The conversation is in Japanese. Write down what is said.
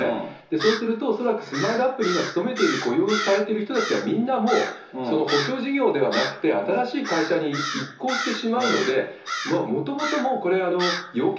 そうすると、恐らくスマイルアップに勤めている、雇用されてる人はみんなも、その補償事業ではなくて、新しい会社に移行してしまうので、もともともうこれ要件